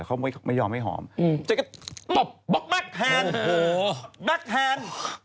เขาไม่ยอมให้หอมเจ้าก็ตบบั๊กแฮน